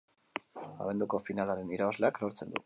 Abenduko finalaren irabazleak lortzen du.